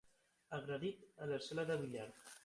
Agredit a la sala de billar.